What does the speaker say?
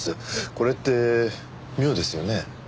これって妙ですよね。